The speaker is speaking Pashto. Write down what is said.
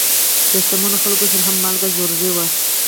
د شتمنو خلکو سره هم مالګه ضرور وه.